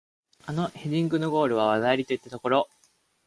あのヘディングのゴールは技ありといったところ